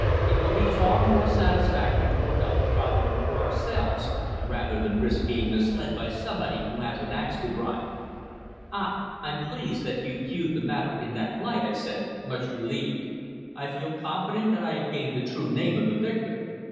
It will be far more satisfactory to work out the problem for ourselves, rather than risk being misled by somebody who has an axe to grind." "Ah! I'm pleased that you view the matter in that light," I said, much relieved. "I feel confident that I have gained the true name of the victim."